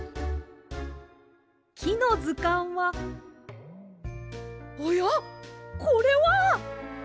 「きのずかん」はおやこれは！？